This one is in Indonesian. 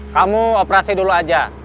kamu operasi dulu aja